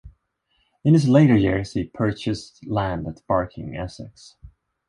In his later years he purchased land at Barking, Essex.